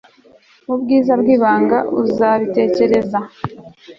nubwiza bwibanga uzabitekereza